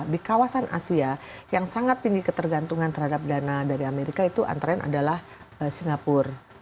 di kawasan asia yang sangat tinggi ketergantungan terhadap dana dari amerika itu antara adalah singapura